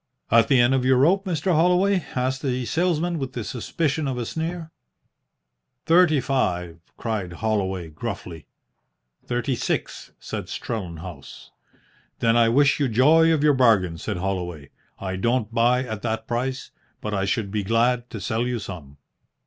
"At the end of your rope, Mr. Holloway?" asked the salesman, with the suspicion of a sneer. "Thirty five," cried Holloway gruffly. "Thirty six," said Strellenhaus. "Then I wish you joy of your bargain," said Holloway. "I don't buy at that price, but I should be glad to sell you some."